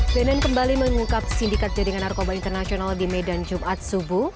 bnn kembali mengungkap sindikat jaringan narkoba internasional di medan jumat subuh